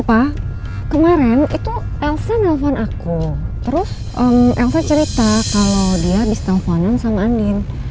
iya pak kemarin itu elsa nelfon aku terus elsa cerita kalau dia abis telfonan sama andin